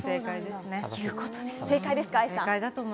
正解ですね。